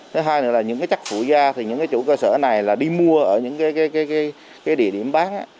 thứ hai là những cái chất phụ gia thì những cái chủ cơ sở này là đi mua ở những cái địa điểm bán